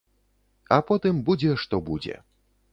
А потым будзе, што будзе.